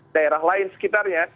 daerah lain sekitarnya